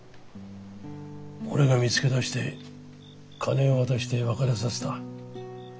俺が見つけ出して金を渡して別れさせた。